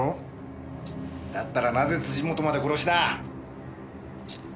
だったらなぜ本まで殺した？